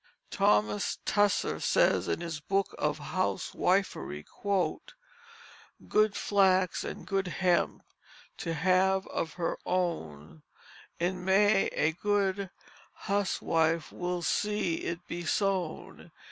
Thomas Tusser says in his Book of Housewifery: "Good flax and good hemp to have of her own, In May a good huswife will see it be sown.